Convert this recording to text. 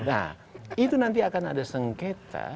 nah itu nanti akan ada sengketa